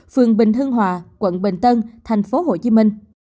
phường bình hưng hòa quận bình tân tp hcm